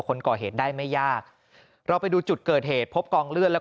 คนก่อเหตุได้ไม่ยากเราไปดูจุดเกิดเหตุพบกองเลือดแล้วก็